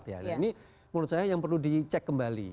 nah ini menurut saya yang perlu dicek kembali